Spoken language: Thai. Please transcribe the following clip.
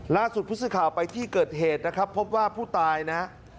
ล่าสุดผู้สื่อข่าวไปที่เกิดเหตุนะครับพบว่าผู้ตายนะฮะ